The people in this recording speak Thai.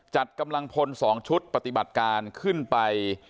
จัดกำลังพล๒ชุดปฏิบัติการขึ้นไป